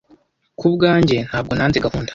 Ku bwanjye, ntabwo nanze gahunda.